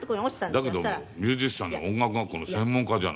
だけどもミュージシャンの音楽学校の専門科じゃない。